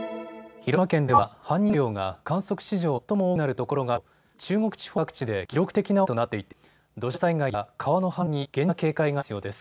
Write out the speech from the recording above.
広島県では半日の雨量が観測史上最も多くなるところがあるなど中国地方の各地で記録的な大雨となっていて土砂災害や川の氾濫に厳重な警戒が必要です。